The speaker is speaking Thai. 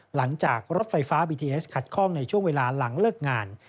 หลังจากรถไฟฟ้าบีทีเอสขัดข้องในช่วงเวลาหลังเลิกงาน